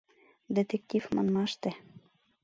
Детектив манмаште.